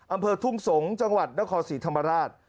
อำเภอทุ่งสงศ์จังหวัดนครศรีธรรมราช